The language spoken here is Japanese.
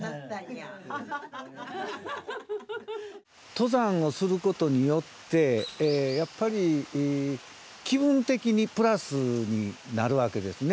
登山をすることによってやっぱり気分的にプラスになるわけですね。